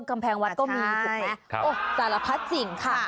กำแพงวัดก็มีโอ้โฮสารพัดจริงค่ะ